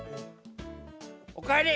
おかえり。